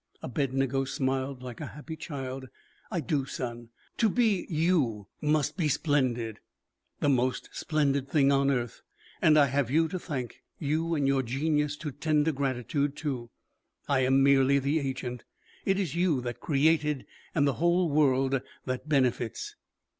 Abednego smiled like a happy child. "I do, son. To be you must be splendid." "The most splendid thing on earth! And I have you to thank, you and your genius to tender gratitude to. I am merely the agent. It is you that created and the whole world that benefits."